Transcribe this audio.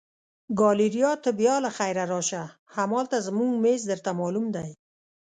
ګالیریا ته بیا له خیره راشه، همالته زموږ مېز درته معلوم دی.